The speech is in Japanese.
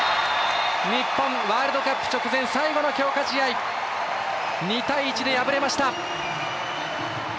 日本、ワールドカップ直前最後の強化試合２対１で敗れました。